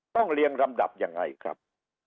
ต้องเลี่ยงลำดับยังไงครับ